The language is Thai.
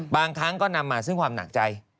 บางครั้งก็นำมาซึ่งความหนักใจ